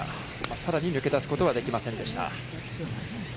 さらに抜け出すことはできませんでした。